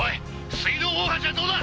水道大橋はどうだ！？」